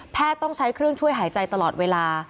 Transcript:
ต้องใช้เครื่องช่วยหายใจตลอดเวลา